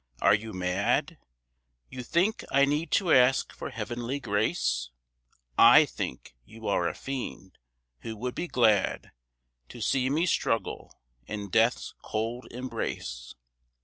Are you mad? You think I need to ask for heavenly grace? I think you are a fiend, who would be glad To see me struggle in death's cold embrace.